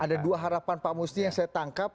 ada dua harapan pak musti yang saya tangkap